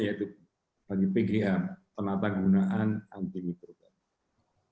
yaitu pgr penata gunaan antibiotics